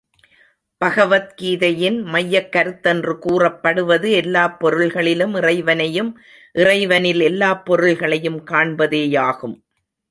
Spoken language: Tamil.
பகவத் கீதையின் மையக் கருத்தென்று கூறப்படுவது எல்லாப் பொருள்களிலும் இறைவனையும் இறைவனில் எல்லாப் பொருள்களையும் காண்பதேயாகும்.